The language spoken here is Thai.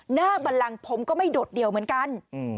บันลังผมก็ไม่โดดเดี่ยวเหมือนกัน